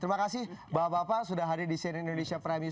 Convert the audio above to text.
terima kasih bapak bapak sudah hadir di seri indonesia premium